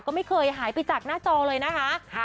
ก็ไม่เคยหายไปจากหน้าจอเลยนะคะ